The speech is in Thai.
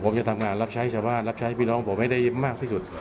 ผมจะทำงานรับใช้ชาวบ้านรับใช้พี่น้องผมให้ได้มากที่สุด